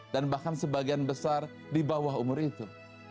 dan bahkan sebagian besar di bawah umur itu